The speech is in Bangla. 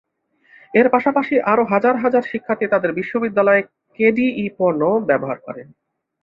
এর পাশাপাশি আরও হাজার হাজার শিক্ষার্থী তাদের বিশ্ববিদ্যালয়ে কেডিই পণ্য ব্যবহার করে।